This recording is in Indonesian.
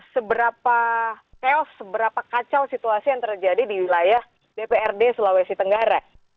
seberapa chaos seberapa kacau situasi yang terjadi di wilayah dprd sulawesi tenggara